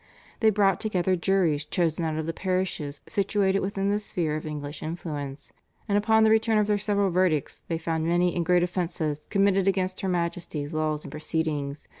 They brought together juries chosen out of the parishes situated within the sphere of English influence "and upon the return of their several verdicts they found many and great offences committed against her Majesty's laws and proceedings.